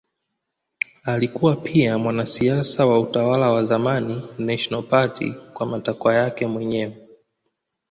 Alikuwa pia mwanasiasa wa utawala wa zamani National Party kwa matakwa yake mwenyewe.